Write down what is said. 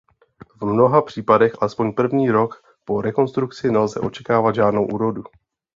V mnoha případech alespoň první rok po rekonstrukci nelze očekávat žádnou úrodu.